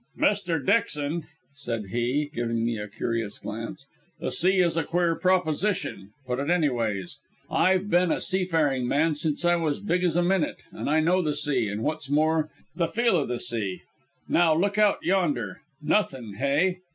"Mr. Dixon," said he, giving me a curious glance, "the sea is a queer proposition, put it any ways. I've been a seafarin' man since I was big as a minute, and I know the sea, and what's more, the Feel o' the sea. Now, look out yonder. Nothin', hey?